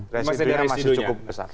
residunya masih cukup besar